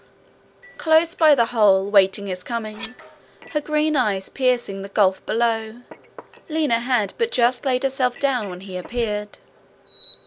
Close by the hole, waiting his coming, her green eyes piercing the gulf below, Lina had but just laid herself down when he appeared.